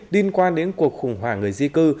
tin quan đến cuộc khủng hoảng người di cư